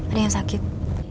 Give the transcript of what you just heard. ada yang sakit